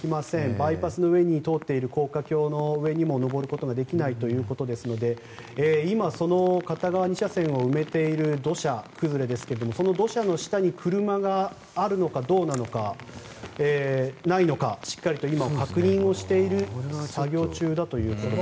バイパスの上を通っている高架橋の上にも上ることができないということですので今その片側２車線を埋めている土砂崩れですが、その土砂の下に車があるのかどうなのかしっかりと今、確認をしている作業中だということです。